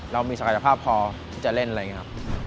เรามีศักยภาพพอจะเล่นอะไรอย่างนี้ครับ